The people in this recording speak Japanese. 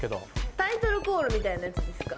タイトルコールみたいなやつですか？